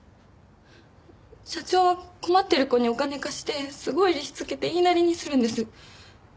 社長は困ってる子にお金貸してすごい利子つけて言いなりにするんです。